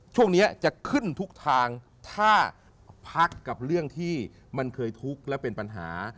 ช่วงนี้จะขึ้นทุกทางถ้าพักกับเรื่องที่มันเคยทุกข์และเป็นปัญหา